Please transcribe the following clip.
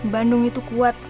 bandung itu kuat